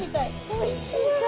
おいしそう。